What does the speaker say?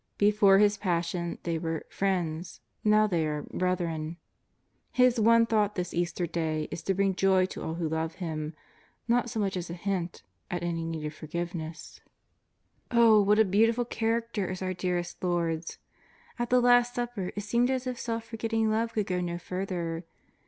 lie fore His Passion they were " friends," now they arc " brethren." His one thought this Easter Day is to bring joy to all who love Him. IsTot so much as a hint at any need of forgiveness. Oh, what a beautiful character is our dearest Lord's ! At the Last Supper it seemed as if self forgetting love could go no further.